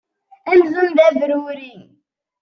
Amzun d abrurri.